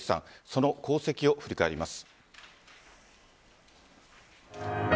その功績を振り返ります。